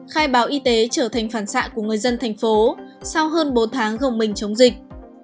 khai báo y tế trở thành phản xạ của người dân thành phố sau hơn bốn tháng gồng mình chống dịch